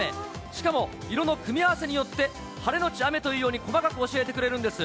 しかも色の組み合わせによって、晴れ後雨というように細かく教えてくれるんです。